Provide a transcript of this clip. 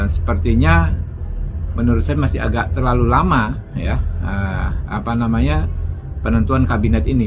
sepertinya menurut saya masih agak terlalu lama penentuan kabinet ini